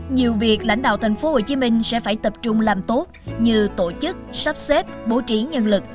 nhiều việc lãnh đạo tp hcm sẽ phải tập trung làm tốt như tổ chức sắp xếp bố trí nhân lực